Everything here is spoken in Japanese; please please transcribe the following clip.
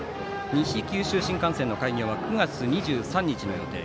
西九州新幹線の開業は９月２３日の予定。